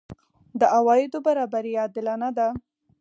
د عوایدو برابري عادلانه ده؟